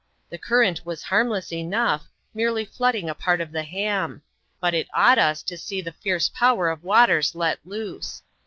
The current was harmless enough, merely flooding a part of the Ham; but it awed us to see the fierce power of waters let loose.